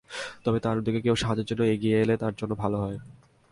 তবে তাঁর উদ্যোগে কেউ সাহায্যের জন্য এগিয়ে এলে তাঁর জন্য ভালো হয়।